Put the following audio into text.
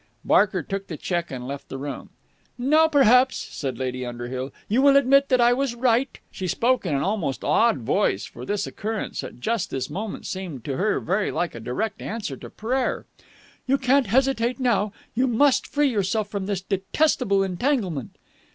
Barker took the cheque and left the room. "Now, perhaps," said Lady Underhill, "you will admit that I was right!" She spoke in almost an awed voice, for this occurrence at just this moment seemed to her very like a direct answer to prayer. "You can't hesitate now! You must free yourself from this detestable entanglement!"